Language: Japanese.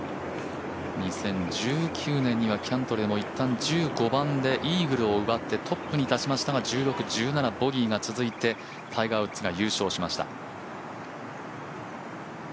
２０１９年にはキャントレーも１５番でイーグルを奪ってトップに立ちましたが１６、１７でボギーが続いてタイガー・ウッズが優勝しました。